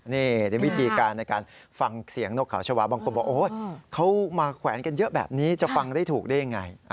นี่วิธีการในการฟังเสียงนกเขาชาวาบางคนบอกโอ๊ยเขามาแขวนกันเยอะแบบนี้จะฟังได้ถูกได้ยังไง